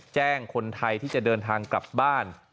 แจ้งคนไทยที่จะเดินทางกลับบ้าน